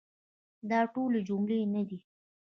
دا ټولي جملې نه دي .